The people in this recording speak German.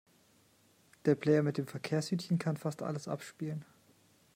Der Player mit dem Verkehrshütchen kann fast alles abspielen.